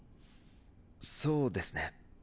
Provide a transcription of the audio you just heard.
そうですね。